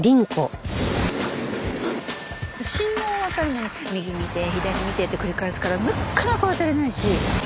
信号を渡るのに右見て左見てって繰り返すからなっかなか渡れないし。